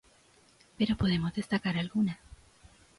Pero podemos destacar alguna.